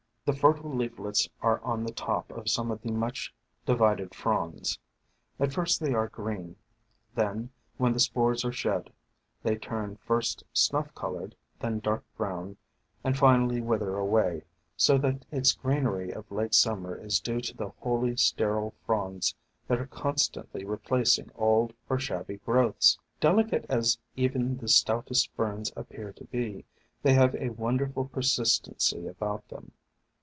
The fertile leaflets are on the top of some of the much di vided fronds. At first they are green; then, when the spores are shed, they turn first snuff colored, then dark brown, and finally wither away, so that its greenery of late Summer is due to the wholly sterile fronds that are constantly replacing old or shabby growths. Delicate as even the stoutest Ferns appear to be, they have a wonderful persistency about them.